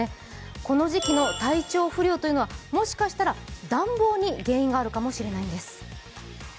この時期の体調不良というのは、もしかしたら暖房に原因があるかもしれないんです。